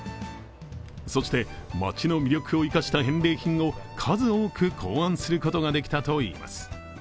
そして、町の魅力を生かした返礼品を数多く考案することができたといいます。